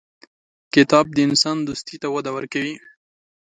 کتاب د انسان دوستي ته وده ورکوي.